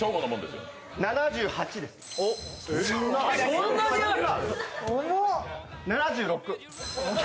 そんなにある？